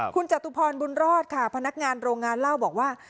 คุณจตุพรบุญรอดค่ะพนักงานโรงงานเล่าบอกว่า